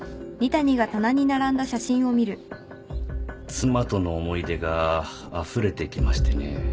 妻との思い出があふれてきましてね。